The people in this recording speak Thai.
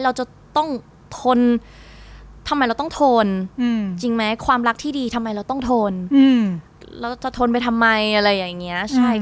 เราจะต้องทนทำไมเราต้องทนจริงไหมความรักที่ดีทำไมเราต้องทนเราจะทนไปทำไมอะไรอย่างนี้